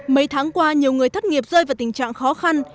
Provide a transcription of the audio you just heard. mấy tháng qua nhiều người thất nghiệp rơi vào tình trạng khó khăn